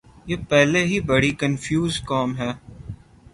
یہ پہلے ہی بڑی کنفیوز قوم ہے۔